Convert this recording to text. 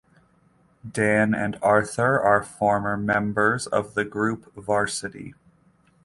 Dann and Arthur are former members of the group Varsity.